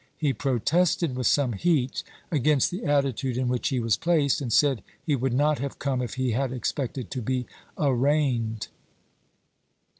He pro tested with some heat against the attitude in which he was placed, and said he would not have come if he had expected to be arraigned.